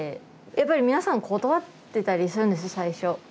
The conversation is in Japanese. やっぱり皆さん断ってたりするんです最初。